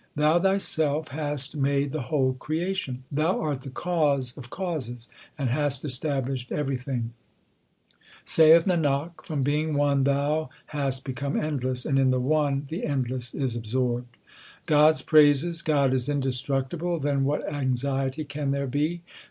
Thou Thyself hast made the whole creation. Thou art the Cause of causes, and hast established every thing. Saith Nanak, from being one Thou hast become endless, and in the One the Endless is absorbed. God s praises : God is indestructible, then what anxiety can there be